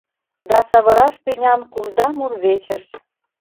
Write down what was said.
Да савыраш тӱням кумда мурвечыш.